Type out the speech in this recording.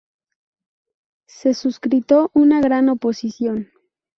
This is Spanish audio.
Se suscitó una gran oposición.